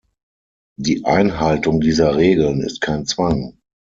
Die Einhaltung dieser Regeln ist kein Zwang.